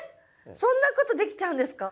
そんなことできちゃうんですか？